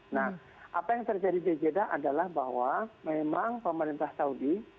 nah apa yang terjadi di jeddah adalah bahwa memang pemerintah saudi